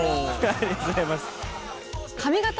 ありがとうございます。